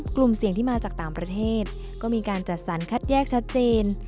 กลุ่มเสี่ยงที่มาจากต่างประเทศก็มีการจัดสรรคัดแยกชัดเจน